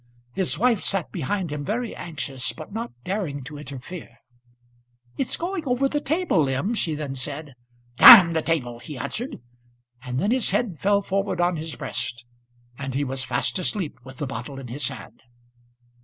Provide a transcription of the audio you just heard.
His wife sat behind him very anxious, but not daring to interfere. "It's going over the table, M.," she then said. "D the table!" he answered; and then his head fell forward on his breast, and he was fast asleep with the bottle in his hand.